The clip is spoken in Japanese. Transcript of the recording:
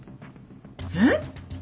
えっ？